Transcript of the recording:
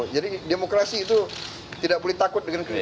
jadi demokrasi itu tidak boleh takut dengan kritik